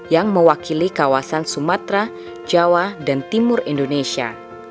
yang mewakili kawasan sumatera jawa dan timur indonesia